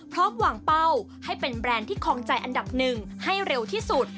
พร้อมวางเป้าให้เป็นแบรนด์ที่คลองใจอันดับหนึ่งให้เร็วที่สุด